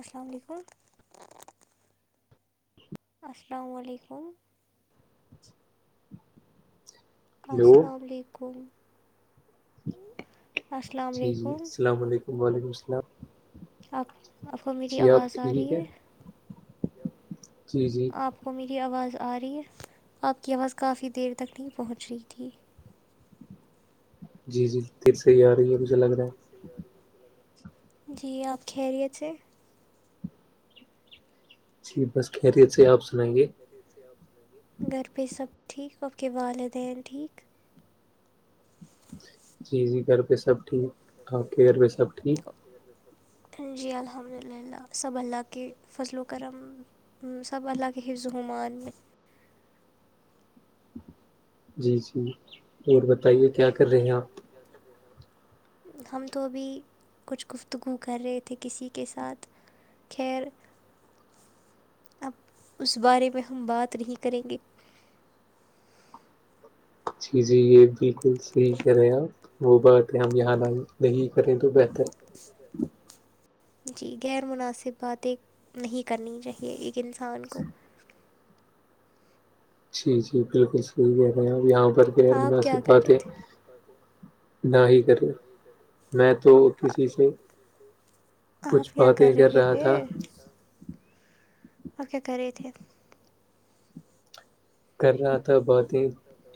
السلام علیکم السلام علیکم اچ [inaudible] السلام علیکم السلام علیکم وعلیکم السلام آپ آپ کو میری آواز آ رہی ہے جی جی وہ میری آواز آ رہی ہے آپ کی آواز کافی دیر تک نہیں پہنچ رہی تھی جی جی پھر صحی آ رہی ہے مجھے لگ رہا ہے جی آپ خیریت سے جی بس خیریت سے آپ سنیں گے گھر پہ سب ٹھیک آپ کے والدین ٹھیک جی جی گھر پہ سب ٹھیک آپ کے گھر پہ سب ٹھیک جی الحمد للہ سب اللہ کے فضل و کرم سب اللہ کے حفظحوماننے جی جی اور بتائیے کیا کر رہے ہیں آپ ہم تو ابھی کچھ گفتگو کر رہے تھے کسی کے ساتھ خیر اب اس بارے میں ہم بات نہیں کریں گے جی جی یہ بالکل ساہی کہہ رہے ہیں آپ وہ بات ہے ہم یہاں نہ نہیں کریں تو بہتر جی غیر مناسب باتیں نہیں کرنی چاہیے ایک انسان کو جی جی بالکل صحیح کہہ رہے ہیں آب یہاں پر مناسب باتیں نہ ہی کرے میں تو کسی سے کچھ باتیں کر رہا تھا اوکے کرے تھے کر رہا تھا باتیں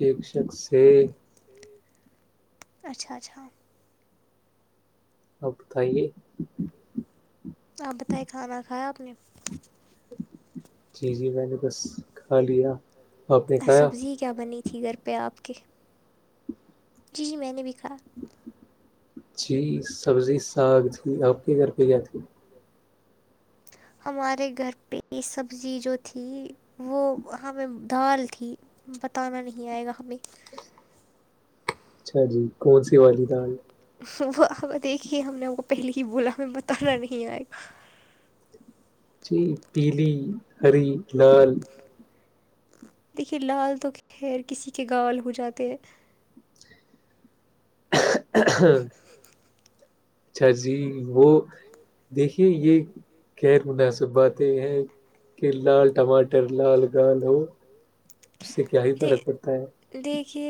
ایک شخص سے اچھا اچھا آپ بتائیے آپ بتائے کھانا کھایا آپ نے جی جی میں نے بس کھا لیا اور سبزی کیا بنی تھی گھر پہ آپ کے جی جی میں نے بھی کھایا جی سبزی ساگ تھی آپ کے گھر پہ کیا تھی ہمارے گھر پہ سبزی جو تھی وہ ہمیں دال تھی بتانا نہیں آئے گا ہمیں اچھا جی کون سی والی دال وہب ایک ہی ہم نے ان کو پہلے ہی بولا ہمیں بتانا نہیں آئے گا جی پیلی ہری لال دیکھیے لال تو خیر کسی کے گال ہو جاتے ہیں ہاں اچھا جی وہ دیکھیے یہ یر مناسب باتیں ہیں کہ لال ٹماٹر لال گال ہو اس سے کیا ہی فرق پڑتا ہے دیکھیے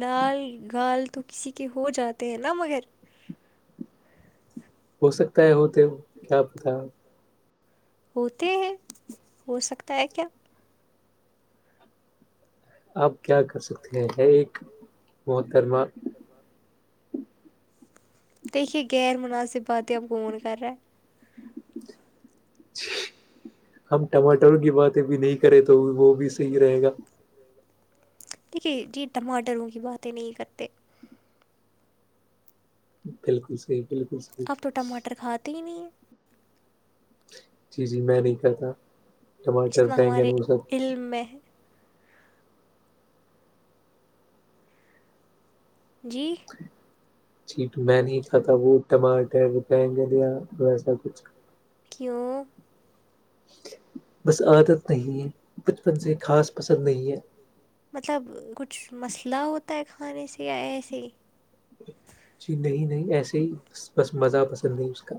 لال گال تو کسی کے ہو جاتے ہیں نا مگر ہو سکتا ہے ہوتے کیا پتا ہوتے ہیں ہو سکتا ہے کیا آپ کیا کر سکتے ہیں ایک محترمہ دیکھیے غیر مناسب باتیں اب کون کر رہا ہے ج ہم ٹماٹروں کی باتیں بھی نہیں کرے تو وہ بھی صحیح رہے گا دیکھیے جی ٹماٹروں کی باتیں نہیں کرتے بالکل صحیح بالکل صحیح پررکھاتی ہی نہیں ہو جی جی میں نہیں کرتا ٹماٹر بینگن وہ سب علملم میں ہے جی جی میں نے نہیں کھاتا وہ ٹماٹر پینگ یا ویسا کچھ کیوں بس عادت نہیں ہے بچپن سے خاص پسند نہیں ہے مطلب کچھ مسئلہ ہوتا ہے کھانے سے یا ایسے ہی جی نہیں نہیں ایسے ہی بس بس مزہ پسند نہیں اس کا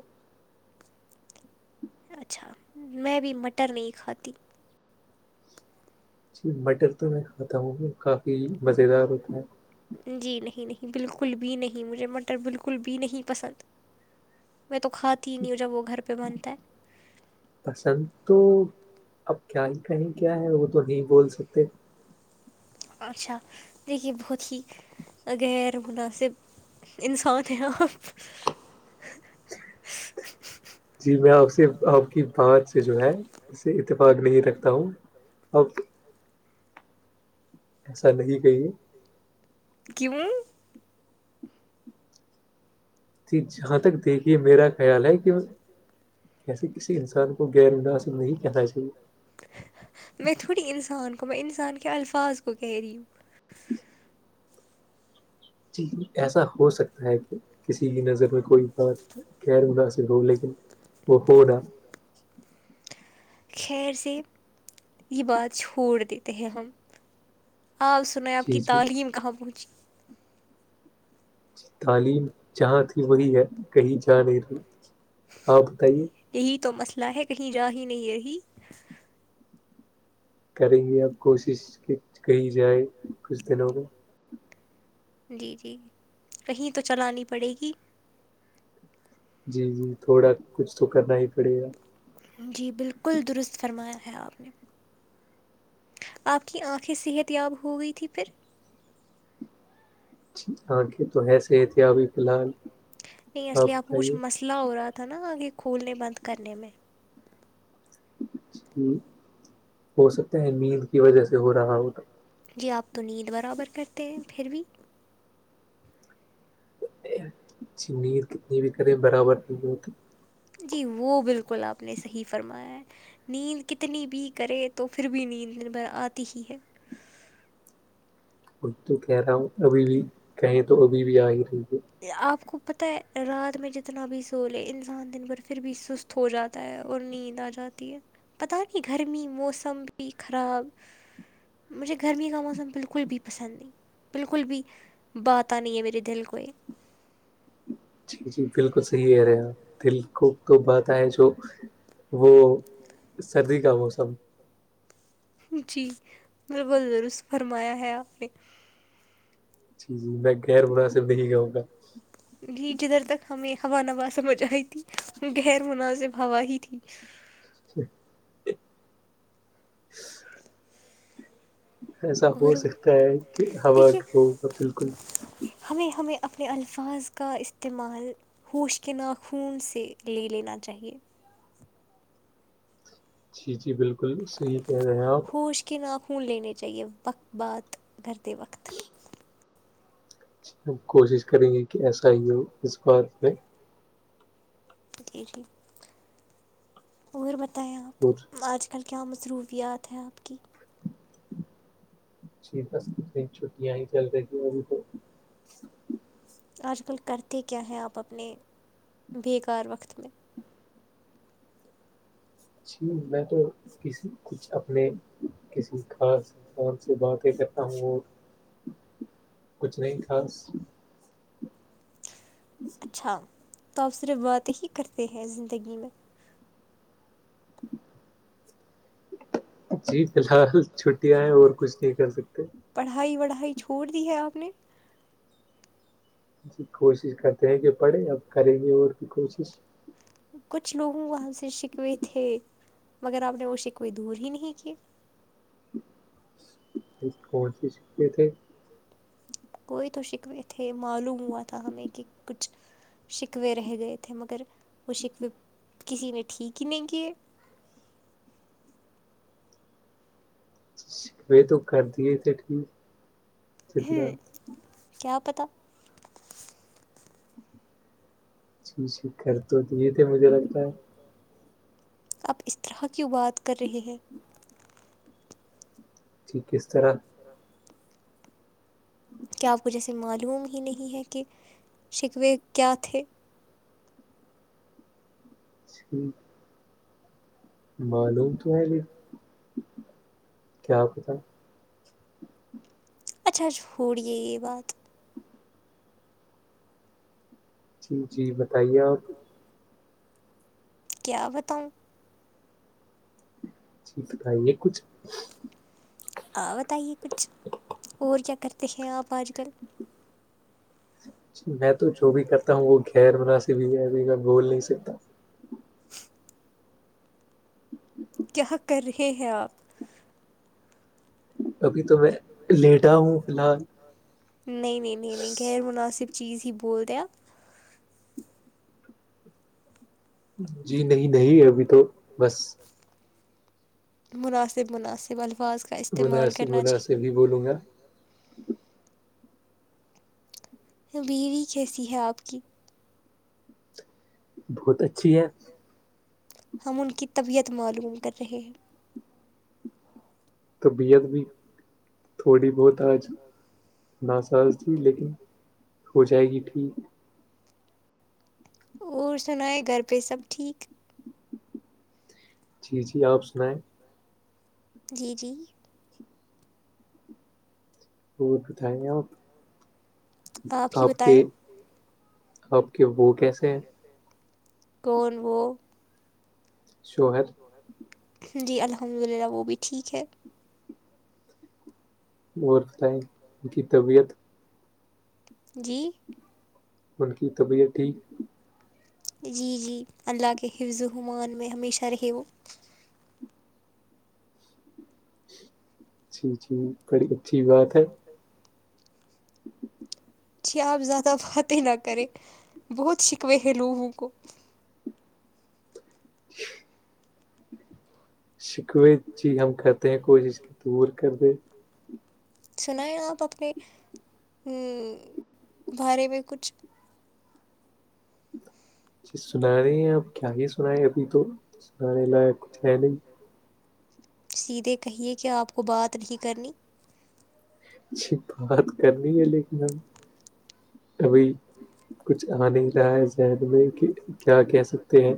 اچھا میں بھی مٹر نہیں کھاتی جی مٹر تو میں کھاتا ہوں کافی مزےیدار ہوتا ہیں جی نہیں نہیں بالکل بھی نہیں مجھے مٹر بالکل بھی نہیں پسند میں تو کھاتی ہی نہیں ہوں جب وہ گھر پہ بنتا ہے پسند تو اب کیا ہی کہیں کیا ہے وہ تو نہیں بول سکتے اچھا دیکھیے بہت ہی غیر مناسب انسان ہے آپ جی میں آپ سے آپ کی بات سے جو ہے اسے اتفاق نہیں رکھتا ہوں آپ ایسا نہیں کہئی ہے کیوں ت جہاں تک دیکھیے میرا خیال ہے کہ ایسے کسی انسان کو غیر مناسب نہیں کہنا چاہیے میں تھوڑی انسان کو میں انسان کے الفاظ کو کہہ رہی یوں جچی [inaudible] ایسا ہو سکتا ہے کہ کسی کی نظر میں کوئی بات گیر موناسب لیکن بہود آ خیر سے یہ بات چھوڑ دیتے ہیں ہم آپ اس سنیں آپ کی تعلیم کہاں پہنچی تعلیم جہاں تھی وہی ہے کہی جا رہی آپ بتائیے یہی تو مسئلہ ہے کہیں جا ہی نہیں رہی کریں گے اپ کوشش کہ کہی جائے کچھ دنوں میں جی جی کہیں تو چلانی پڑے گی جی جی تھوڑا کچھ تو کرنا ہی پڑے گا جی بالکل درست فرمایا ہے آپ نے آپ کی آنکھیں صحت یاب ہو گئی تھی پھر آنکھیں تو ہے نہیں اسلے آپوچھ مسئلہ پلا ہو رہا تھا نا کھولنے بند کرنے میں ہو سکتا ہے نیند کی وجہ سے ہو رہا ہوگا جی آپ تو نیند برابر کرتے ہیں پھر بھی جی نینر کتنی بھی کرے برابر نہیں ہوتی جی وہ بالکل آپ نے صحیح فرمایا ہے نیند کتنی بھی کرے تو پھر بھی نیند آتی ہی ہے ا تو کہہ رہا ہوں ابھی بھی کہیں تو ابھی بھی آ ہی رہی ہے آپ کو پتہ ہے رات میں جتنا بھی سو لے انسان دن بھر پھر بھی سست ہو جاتا ہے اور نیند آ جاتی ہے پتہ ہے گرمی موسم بھی خراب مجھے گرمی کا موسم بالکل بھی پسند نہیں بالکل بھی باتا نہیں ہے میرے دل کویہ جی جی بالکل صحی کہہ رہے آپ دل کو کو پاتا جو وہ سردی کا موسم جی بالکل درست فرمایا ہے آپ نے جی جی میں خیر موناسب طریقہ ہوگا جی جدھر تک ہمیں ہوا نوا سمجھ آئی تھی غیر مناسب ہوا ہی تھی جچھ [unintelligible] ایسا ہو سکتا ہے کہ ہوا ہوگا بالکل ہمیں ہمیں اپنے الفاظ کا استعمال ہوش کے ناخون سے لے لینا چاہیے جی جی بلکل صحیح کہہ رہے ہیں آپ ہوش کے نا خون لینے چاہیے وقت بات کرتے وقت ہم کوشش کریں گے کہ ایسا ہی ہو اسکوار پہ جی جی اور بتائیں آپ اور آج کل کیا مصروفیات ہیں آپ کی جی بس اتنی چھٹیاں ہی چل رہی تھیں ابھی تو آج کل کرتے کیا ہیں آپ اپنے بیکار وقت میں جی میں تو کسی کچھ اپنے کسی خاص فون سے باتیں کرتا ہوں اور کچھ نہیں خاص جی [unintelligible] [unintelligible] اچھا تو آپ صرف بات ہی کرتے ہیں زندگی میں جی فی الحال چھٹیاں ہیں اور کچھ نہیں کر سکتے پڑھائی وڑھائی چھوڑ دی ہے آپ نے جی کوشش کرتے ہیں کہ پڑھیں اب کریں گے اور بھی کوشش کچھ لوگوں وہاں سے شکوے تھے مگر آپ نے وہ شکوے دور ہی نہیں کیے کون سے شکوے تھے کوئی تو شکوے تھے معلوم ہوا تھا ہمیں کہ کچھ شکوے رہ گئے تھے مگر وہ شکوے کسی نے ٹھیک ہی نہیں کیے وہ تو کر دیے تھے ٹھیک کیا پتا جی جی کر تو دیے تھے مجھے لگتا ہے آپ اس طرح کیوں بات کر رہے ہیں جی کس طرح اراف [unintelligible] [inaudible] کیا آپجھے سے [inaudible] معلوم ہی نہیں ہے کہ شکوے کیا تھے جچھ [unintelligible] [unintelligible] معلوم تو ہے لیکن کیا ہوتا اچھا چھوڑیے یہ بات جی جی بتائیے آپ کیا بتاؤں جی بتائیے کچھ آپ بتائیے کچھ اور کیا کرتے ہیں آپ آج کل میں تو جو بھی کرتا ہوں وہ غیر مناسب بھی ہے ابھی میں بول نہیں سکتا کیاہ کر رہے ہیں آپ ابھی تو میں نہیں نہیں نہیں نہیں غیر مناسب چیز ہی بولتے ہیں جی نہیں نہیں ہے ابھی تو بس مناسب مناسب الفاظ مناسب مناسب ہی بولوں گا بیوی کیسی ہے آپ کی بہت اچھی ہے ہم ان کی طبیعت معلوم کر رہے ہیں طبیعت بھی تھوڑی بہت آج نا ساز تھی لیکن ہو جائے گی ٹھیک اور سنائےگھر پہ سب ٹھیک جی جی آپ سنائیں جی جی بہت بھائ نہیں آپ [unintelligible] آپ کے آپ کے وہ کیسے ہیں کون وہ شوہر جی الحمد للہ وہ بھی ٹھیک ہے اور بتائیں ان کی طبیعت جی ان کی طبیعت ٹھیک جی جی اللہ کے حفظ و حمان میں ہمیشہ رہے وہ جی جی بڑی اچھی بات ہے جی آپ زیادہ باتیں نہ کریں بہت شکوے ہیں لوگوں کو [inaudible] شکوے جی ہم کرتے ہیں کوشش اور کر دے سنائیں آپ اپنے بارے میں کچھ ج سنا رہے ہیں آپ کیا ہی سن ہے ابھی تو سنانے لائق کچھ ہے نہیں سیدھے کہیے کہ آپ کو بات نہیں کرنی جی بات کرنی ہے لیکن ہم کبھی کچھ آ نہیں رہا ہے ذہن میں کہ کیا کہہ سکتے ہیں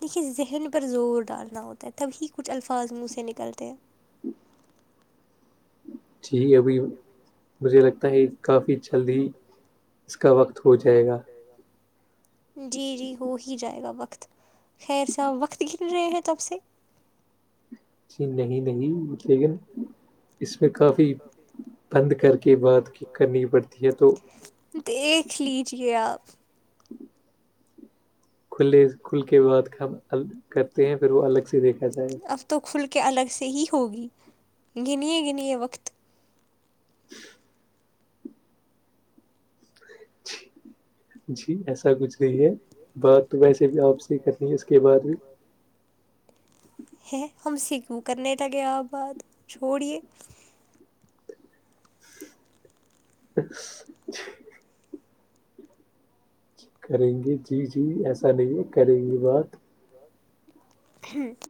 دیکھیے ذہن پر زور ڈالنا ہوتا ہے تبھی کچھ الفاظ منہ سے نکلتے ہیں جی ابھی مجھے لگتا ہے کافی جلدی اس کا وقت ہو جائے گا جی جی ہو ہی جائے گا وقت خیر صاحب وقت گن رہے ہیں تب سے جی نہیں نہیں لیکن اس میں کافی بند کر کے بات کرنی پڑتی ہے تو دیکھ لیجیے آپ کھلے کھل کے بات ک ہم کرتے ہیں پھر وہ الگ سے دیکھا جائے کھل کے الگ سے ہی ہوگی گنیے گنیے وقت [inaudible] جی ایسا کچھ نہیں ہے بات تو ویسے بھی آپ سے ہی کرنی ہے اس کے بعد بھی ہیں ہم سے کیوں کرنے لگے آپ بات چھوڑیے [inaudible] کریں گے جی جی ایسا نہیں ہے کریں گے بات